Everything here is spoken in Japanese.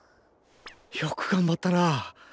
よく頑張ったなあ。